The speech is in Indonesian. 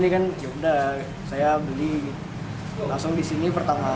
ya sudah saya beli langsung di sini pertama